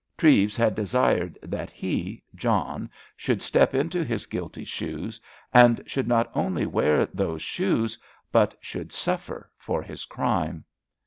Treves had desired that he, John, should step into his guilty shoes and should not only wear those shoes, but should suffer for his crime.